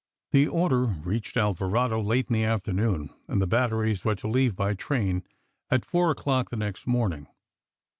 The order reached Alvarado late in the afternoon, and the batteries were to leave by train at four o clock the next morn ing.